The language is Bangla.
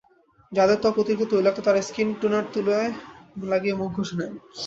যাদের ত্বক অতিরিক্ত তৈলাক্ত, তারা স্কিন টোনার তুলায় লাগিয়ে মুখে ঘষে নিন।